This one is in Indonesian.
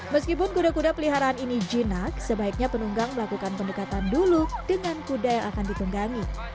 meskipun kuda kuda peliharaan ini jinak sebaiknya penunggang melakukan pendekatan dulu dengan kuda yang akan ditunggangi